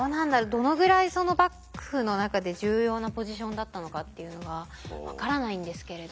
どのぐらい幕府の中で重要なポジションだったのかっていうのが分からないんですけれど。